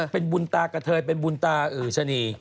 เป็นบุญตากระเทยเป็นบุญตาอือชะนี